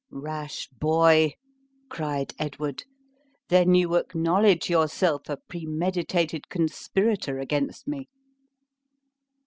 "Rash boy!" cried Edward; "then you acknowledge yourself a premeditated conspirator against me?"